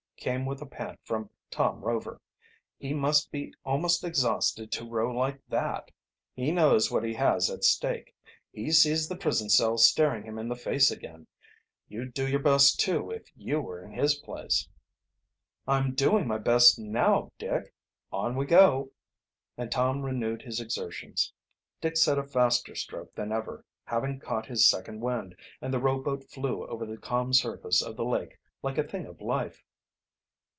came with a pant from Tom Rover. "He must be almost exhausted to row like that." "He knows what he has at stake. He sees the prison cell staring him in the face again. You'd do your best, too, if you were in his place." "I'm doing my best now, Dick. On we go!" and Tom renewed his exertions. Dick set a faster stroke than ever, having caught his second wind, and the rowboat flew over the calm surface of the lake like a thing of life.